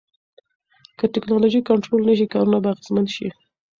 که ټکنالوژي کنټرول نشي، کارونه به اغیزمن شي.